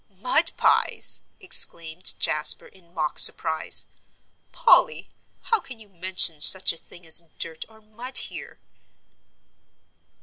"Mud pies!" exclaimed Jasper, in mock surprise. "Polly, how can you mention such a thing as dirt or mud here!"